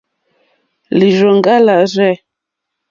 Lírzòŋɡá lârzɛ̂.